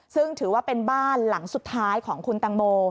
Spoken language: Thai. ซึ่งถือว่าเป็นบ้านหลังสุดท้ายของคุณตังโม